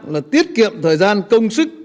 là tiết kiệm thời gian công sức